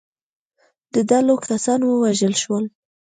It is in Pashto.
د ډلو کسان ووژل شول.